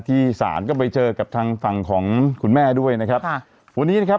ที่ศาลก็ไปเจอกับทางฝั่งของคุณแม่ด้วยนะครับค่ะวันนี้นะครับ